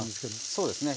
そうですね。